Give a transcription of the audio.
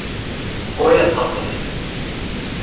Goianápolis